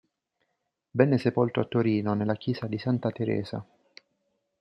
Venne sepolto a Torino nella chiesa di Santa Teresa.